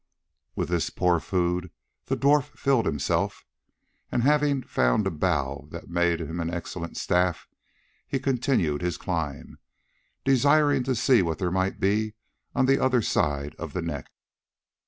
With this poor food the dwarf filled himself, and having found a bough that made him an excellent staff, he continued his climb, desiring to see what there might be on the other side of the neck.